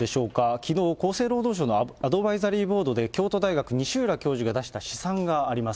きのう、厚生労働省のアドバイザリーボードで京都大学、西浦教授が出した試算があります。